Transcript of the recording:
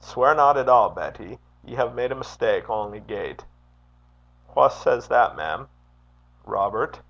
'Sweir not at all, Betty. Ye hae made a mistak ony gait.' 'Wha says that, mem?' 'Robert.'